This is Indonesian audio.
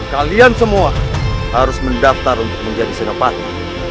kalian semua harus mendaftar untuk menjadi sinopati